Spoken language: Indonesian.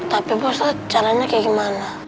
tapi pak ustadz caranya kayak gimana